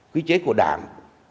quy chế của đảng